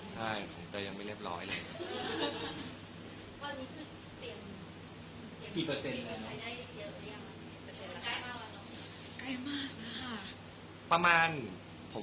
ใช่ผมก็ยังไม่เรียบร้อยเลย